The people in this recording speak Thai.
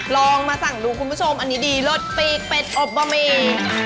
ลองมาสั่งดูคุณผู้ชมอันนี้ดีเลิศปีกเป็ดอบบะหมี่